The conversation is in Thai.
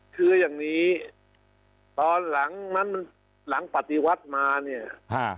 คืออย่างนี้ตอนหลังนั้นหลังปฏิวัติมาเนี่ย